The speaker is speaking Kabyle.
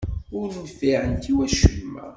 Ur nfiɛent i wacemma.